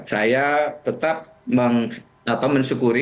saya tetap mensyukuri